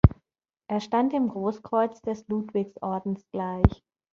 Er stand dem Großkreuz des Ludwigs-Ordens gleich.